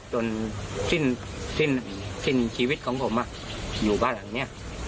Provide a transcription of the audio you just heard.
จนสิ้นชีวิตของผมอยู่บ้านหลังนี้